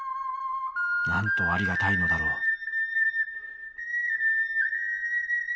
なんとありがたいのだろう」。